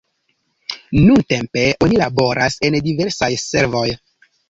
Nuntempe oni laboras en diversaj servoj.